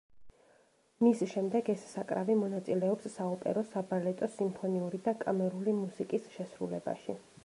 მის შემდეგ ეს საკრავი მონაწილეობს საოპერო, საბალეტო, სიმფონიური და კამერული მუსიკის შესრულებაში.